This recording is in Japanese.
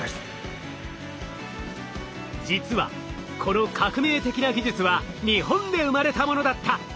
実はこの革命的な技術は日本で生まれたものだった！